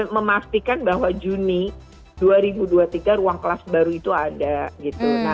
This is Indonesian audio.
memastikan bahwa juni dua ribu dua puluh tiga ruang kelas baru itu ada